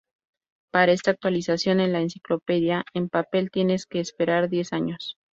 Para esta actualización en la enciclopedia en papel tienes que esperar diez años.